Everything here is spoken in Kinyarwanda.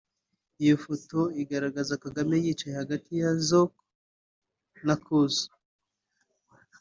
Iyo foto igaragaza Kagame yicaye hagati ya Juncker na Kurz